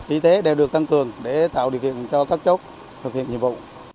y tế đều được tăng cường để tạo điều kiện cho các chốt thực hiện nhiệm vụ